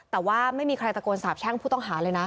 แต่ว่าไม่มีใครตะโกนสาบแช่งผู้ต้องหาเลยนะ